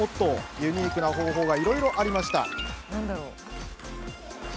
ユニークな方法がいろいろありました。